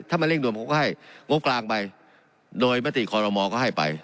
ถ้ามันเร่งด่วนผมก็ให้งบกลางไปโดยมติคอรมอลก็ให้ไป